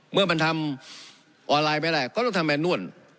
เมื่อมันทำออนไลน์ไม่ได้ก็ต้องทำแนนวล